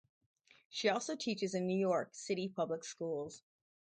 She also teaches in New York City public schools.